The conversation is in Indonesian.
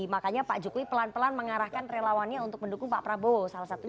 makanya pak jokowi pelan pelan mengarahkan relawannya untuk mendukung pak prabowo salah satunya